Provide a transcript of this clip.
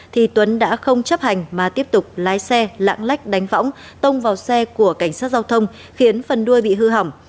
thì tuấn đã không chấp hành mà tiếp tục lái xe lạng lách đánh võng tông vào xe của cảnh sát giao thông khiến phần đuôi bị hư hỏng